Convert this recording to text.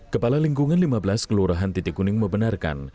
kepala lingkungan lima belas kelurahan